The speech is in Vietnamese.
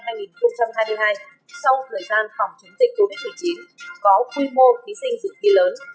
sau thời gian khỏng chứng dịch covid một mươi chín có quy mô thí sinh dự thi lớn